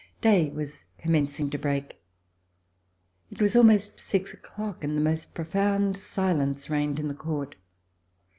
Day was commencing to break. It was almost six o'clock, and the most profound silence reigned in the court.